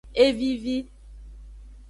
E vivi.